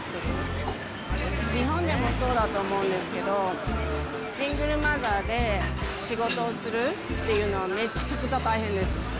日本でもそうだと思うんですけど、シングルマザーで仕事をするっていうのは、めちゃくちゃ大変です。